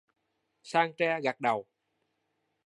Song trai gật đầu